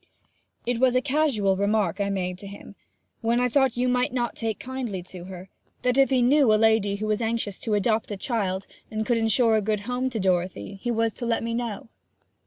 'It was a casual remark I made to him, when I thought you might not take kindly to her, that if he knew a lady who was anxious to adopt a child, and could insure a good home to Dorothy, he was to let me know.'